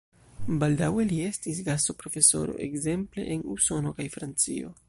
Baldaŭe li estis gastoprofesoro ekzemple en Usono kaj Francio.